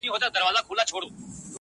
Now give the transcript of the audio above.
o وينه د وجود مي ده ژوندی يم پرې ـ